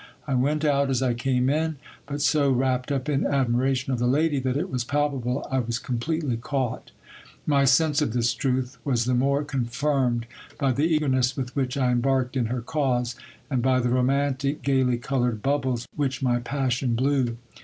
I went out as I came in, but so wrapped up in admira tion of the lady, that it was palpable I was completely caught. My sense of this; truth was the more confirmed, by the eagerness with which I embarked in her cause, and by the romantic, gaily coloured bubbles which my passion blew.